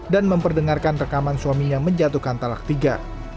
dan memperdengarkan rekaman suaminya menjatuhkan talak tiga